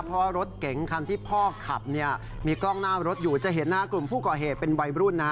เพราะรถเก๋งคันที่พ่อขับมีกล้องหน้ารถอยู่จะเห็นหน้ากลุ่มผู้ก่อเหตุเป็นวัยรุ่นนะ